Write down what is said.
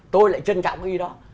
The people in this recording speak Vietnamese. tôi lại trân trọng cái ý đó